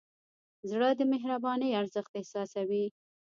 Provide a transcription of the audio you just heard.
زړه د مهربانۍ ارزښت احساسوي.